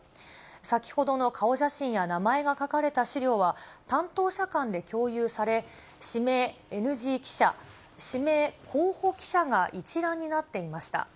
先ほどの顔写真や名前が書かれた資料は、担当者間で共有され、指名ＮＧ記者、指名候補記者が一覧になっていました。